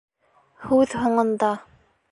ҺҮҘ ҺУҢЫНДА.